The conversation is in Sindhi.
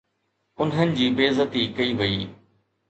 انهن جي بي عزتي ڪئي وئي